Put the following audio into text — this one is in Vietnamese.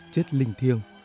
chết linh thiêng